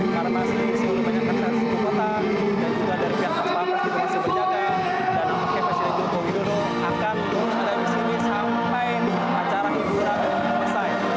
dan juga dari pihak asal asal masih berjaga dan presiden jokowi jodoh akan terus ada di sini sampai acara ini berakhir